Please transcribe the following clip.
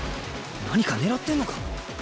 何か狙ってんのか？